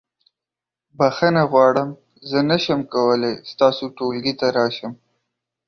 بخښنه غواړم زه نشم کولی ستاسو ټولګي ته راشم.